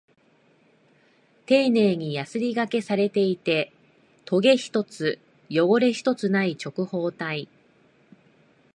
丁寧にヤスリ掛けされていて、トゲ一つ、汚れ一つない直方体。